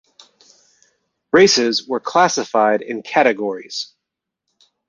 Races were classified in categories.